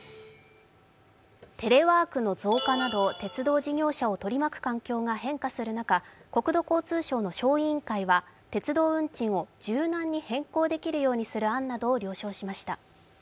テレワークの増加など鉄道事業者を取り巻く環境が変化する中国土交通省の小委員会は鉄道運賃を柔軟に変更できるようにする案などに了承しました。